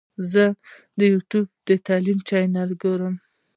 زه د یوټیوب د تعلیم چینلونه ګورم.